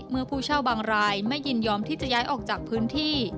เมื่อผู้เช่าบางรายไม่ยินยอมที่จะย้ายออกจากพื้นที่